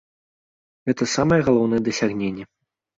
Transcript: Гэта самае галоўнае дасягненне.